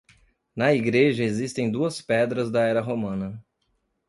Na igreja existem duas pedras da era romana.